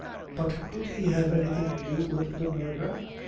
"But could he have anything to do wid the murdher?"